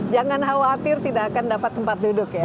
jangan khawatir tidak akan dapat tempat duduk ya